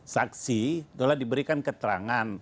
saksi adalah diberikan keterangan